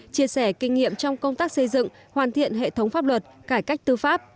chia sẻ kinh nghiệm trong công tác xây dựng hoàn thiện hệ thống pháp luật cải cách tư pháp